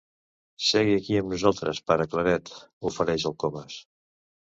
Segui aquí amb nosaltres, pare Claret —ofereix el Comas.